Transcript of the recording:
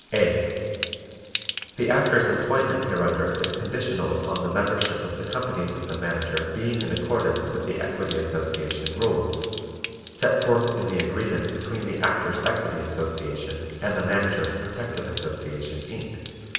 (a) The Actor's employment hereunder is conditional upon the membership of the companies of the Manager being in accordance with the Equity Association rules, set forth in the agreement between the Actors' Equity Association and the Managers' Protective Association, Inc.